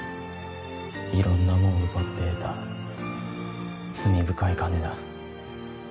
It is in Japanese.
色んなもん奪って得た罪深い金だ